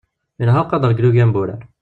Ilha uqader n yilugan n wurar.